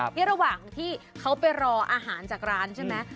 นี่ระหว่างที่เขาไปรออาหารจากร้านใช่ไหม